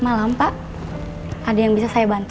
malam pak ada yang bisa saya bantu